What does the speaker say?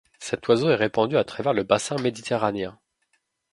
Cet oiseau est répandu à travers le bassin méditerranéen.